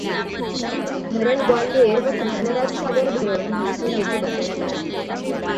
धरण ग्वाल्हेर व कृष्णराज सागर धरण म्हैसूर येथे बसविण्यात आली.